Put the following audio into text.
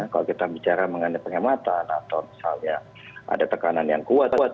kalau kita bicara mengenai pengamatan atau misalnya ada tekanan yang kuat terhadap apbn